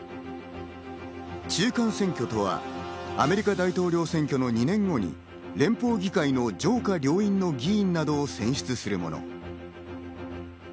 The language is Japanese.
中間選挙とはアメリカ大統領選挙の２年後に連邦議会の上下両院の議員などを選出するもの。